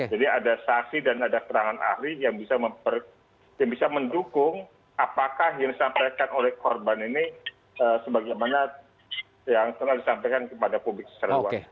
jadi ada saksi dan ada perang ahli yang bisa mendukung apakah yang disampaikan oleh korban ini sebagaimana yang telah disampaikan kepada publik